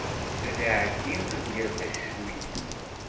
Ad iɛeddi ad yerr tacuyt.